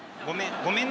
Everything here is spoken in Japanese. ごめんね。